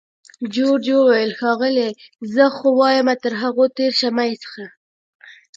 جورج وویل: ښاغلې! زه خو وایم تر هغوی تېر شه، مه یې څښه.